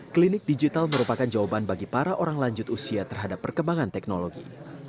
klinik digital merupakan jawaban bagi para orang lanjut usia terhadap perkembangan teknologi